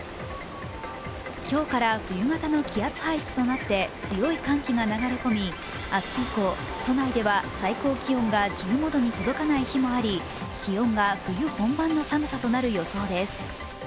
今日から冬型の気圧配置となって強い寒気が流れ込み、明日以降、都内では最高気温が１５度に届かない日もあり、気温が冬本番の寒さとなる予想です。